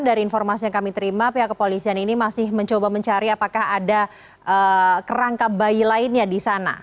dari informasi yang kami terima pihak kepolisian ini masih mencoba mencari apakah ada kerangka bayi lainnya di sana